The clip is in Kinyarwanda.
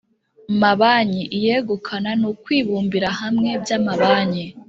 mabanki iyegukana n ukwibumbira hamwe by amabanki